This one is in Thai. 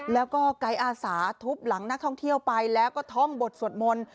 แล้วก็ไกด์อาสาทุบหลังนักท่องเที่ยวไปแล้วก็ท่องบทสวดมนต์